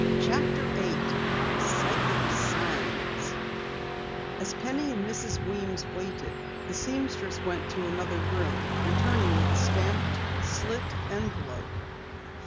CHAPTER 8 PSYCHIC SIGNS As Penny and Mrs. Weems waited, the seamstress went to another room, returning with a stamped, slit envelope.